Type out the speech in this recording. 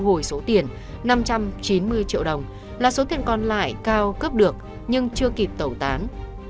đối tượng công an đã thu hồi số tiền năm trăm chín mươi triệu đồng là số tiền còn lại cao cướp được nhưng chưa kịp tẩu tán